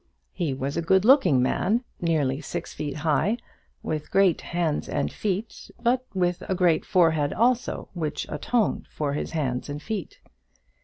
He was a good looking man, nearly six feet high, with great hands and feet, but with a great forehead also, which atoned for his hands and feet.